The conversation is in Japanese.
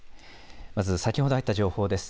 まず先ほど入った情報です。